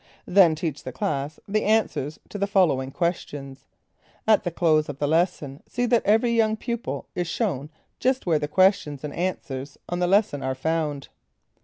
Then teach the class the answers to the following questions. At the close of the lesson, see that every young pupil is shown just where the questions and answers on the lesson are found.